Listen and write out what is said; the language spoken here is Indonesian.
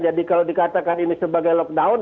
jadi kalau dikatakan ini sebagai lockdown